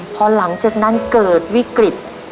พอหลังจากนั้นเกิดวิกฤต